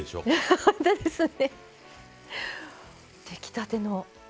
出来たての。